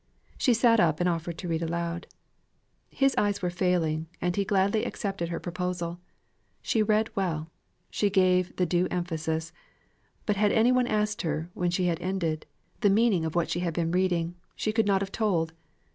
She sate up, and offered to read aloud. His eyes were failing, and he gladly accepted her proposal. She read well: she gave the due emphasis; but had any one asked her, when she had ended, the meaning of what she had been reading, she could not have told.